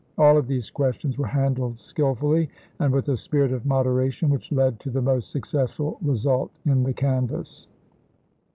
All of these questions were handled skillfully, and with a spirit of moderation which led to the most successful result in the canvass.